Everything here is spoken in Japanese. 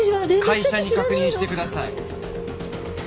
会社に確認してください。